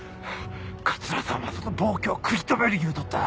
桂さんはその暴挙を食い止める言うとった。